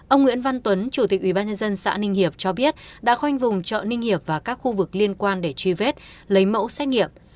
ông nguyễn văn tuấn chủ tịch ubnd xã ninh hiệp cho biết đã khoanh vùng chợ ninh hiệp và các khu vực liên quan để truy vết lấy mẫu xét nghiệm